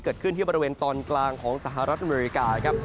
เกิดขึ้นที่บริเวณตอนกลางของสหรัฐอเมริกาครับ